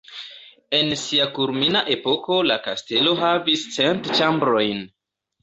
En sia kulmina epoko la kastelo havis cent ĉambrojn.